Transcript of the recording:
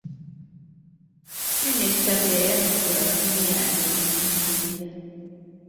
Minisita teyayanukula ssimu yange gye namukubira.